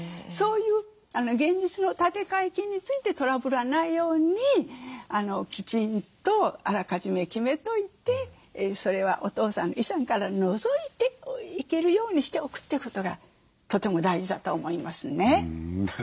そういう現実の立て替え金についてトラブらないようにきちんとあらかじめ決めといてそれはお父さんの遺産から除いていけるようにしておくということがとても大事だと思いますね。